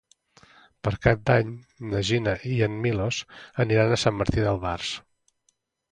Per Cap d'Any na Gina i en Milos aniran a Sant Martí d'Albars.